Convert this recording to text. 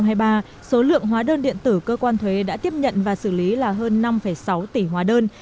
năm hai nghìn hai mươi ba số lượng hóa đơn điện tử cơ quan thuế đã tiếp nhận và xử lý là hơn năm sáu tỷ hóa đơn